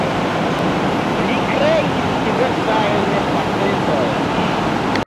Li kreis diversajn patentojn.